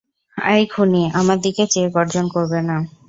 অ্যাই খুনি, আমার দিকে চেয়ে গর্জন করবে না।